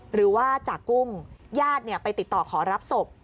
หรือว่าจากกุ้งญาติไปติดต่อขอรับศพ